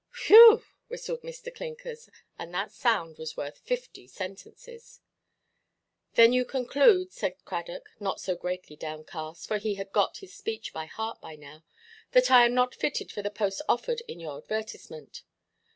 "Whew!" whistled Mr. Clinkers, and that sound was worth fifty sentences. "Then you conclude," said Cradock, not so greatly downcast, for he had got this speech by heart now, "that I am not fitted for the post offered in your advertisement?"